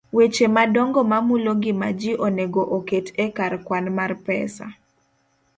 Weche madongo mamulo ngima ji onego oket e kar kwan mar pesa